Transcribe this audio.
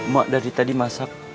mak dari tadi masak